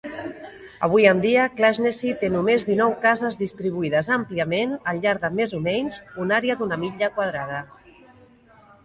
Avui en dia, Clashnessie té només dinou cases distribuïdes àmpliament al llarg de més o menys un àrea d'una milla quadrada.